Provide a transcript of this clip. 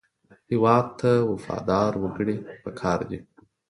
هېواد ته وفادار وګړي پکار دي